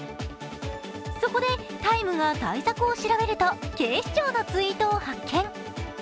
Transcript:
そこで、「ＴＩＭＥ’」が対策を調べると警視庁のツイートを発見。